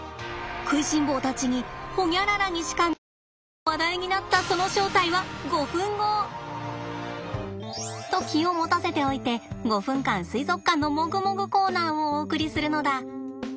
食いしん坊たちにホニャララにしか見えん！と話題になったそのと気を持たせておいて５分間水族館のもぐもぐコーナーをお送りするのだ。